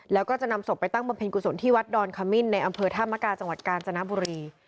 แล้วก็จะนำศพไปตั้งบำเพ็ญกุศลที่วัดดอนขมิ้นในอำเภอธามกาจังหวัดกาญจนบุรี